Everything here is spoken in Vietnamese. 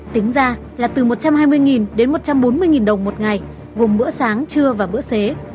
tính ra là từ một trăm hai mươi đến một trăm bốn mươi đồng một ngày gồm bữa sáng trưa và bữa xế